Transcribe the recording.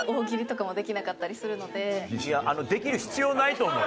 できる必要ないと思う。